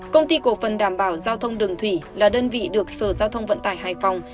công ty cổ phần đảm bảo giao thông đường thủy là đơn vị được sở giao thông vận tải hải phòng